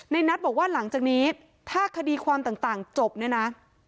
นัทบอกว่าหลังจากนี้ถ้าคดีความต่างจบเนี่ยนะ